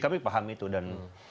kami paham itu dan